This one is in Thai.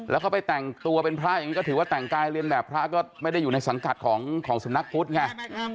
แล้วก็ไปแต่งตัวเป็นพระอย่างนี้ก็ถือว่าแต่งกายเรียนแบบพระก็ไม่ได้อยู่ในสังกัดของสำนักพุทธไง